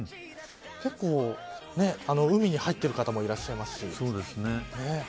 結構、海に入っている方もいらっしゃいますし。